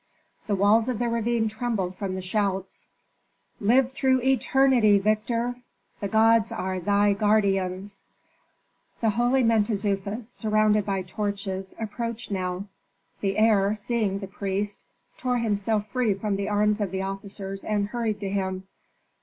The walls of the ravine trembled from the shouts: "Live through eternity, victor! The gods are thy guardians!" The holy Mentezufis, surrounded by torches, approached now. The heir, seeing the priest, tore himself free from the arms of the officers and hurried to him.